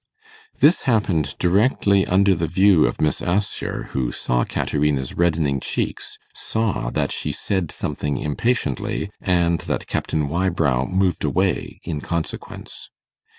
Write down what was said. This happened directly under the view of Miss Assher, who saw Caterina's reddening cheeks, saw that she said something impatiently, and that Captain Wybrow moved away in consequence.